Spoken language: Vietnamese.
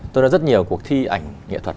tôi đã rất nhiều cuộc thi ảnh nghệ thuật